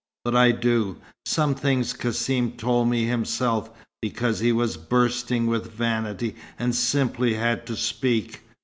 But I do. Some things Cassim told me himself, because he was bursting with vanity, and simply had to speak.